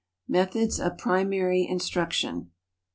Methods of Primary Instruction.